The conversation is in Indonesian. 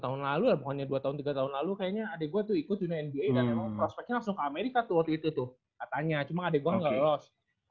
tahun lalu lah pokoknya dua tahun tiga tahun lalu kayaknya adik gue tuh ikut dunia nba dan emang prospeknya langsung ke amerika tuh waktu itu tuh katanya cuma adik gue gak lolos